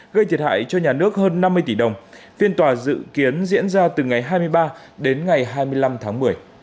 gây thiệt hại cho nhà nước hơn năm mươi tỷ đồng phiên tòa dự kiến diễn ra từ ngày hai mươi ba đến ngày hai mươi năm tháng một mươi